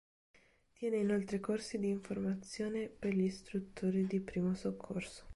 Tiene inoltre corsi di formazione per gli istruttori di Primo Soccorso.